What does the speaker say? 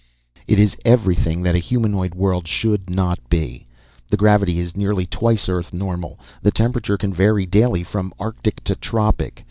"It is everything that a humanoid world should not be. The gravity is nearly twice Earth normal. The temperature can vary daily from arctic to tropic.